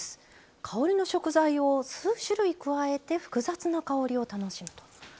香りの食材を数種類加えて複雑な香りを楽しむと。